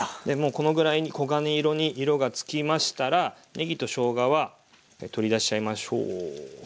このぐらいに黄金色に色がつきましたらねぎとしょうがは取り出しちゃいましょう。